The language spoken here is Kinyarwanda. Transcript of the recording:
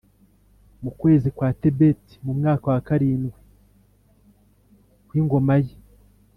mu kwezi kwa Tebeti mu mwaka wa karindwih w ingoma ye